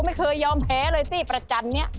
ไม่เคยยอมแพ้เลยสิประจันทร์นี่